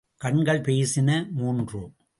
கண்கள் பேசின மூன்று.